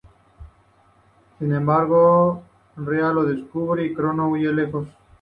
Sin embargo, Rea lo descubre y Crono huye lejos.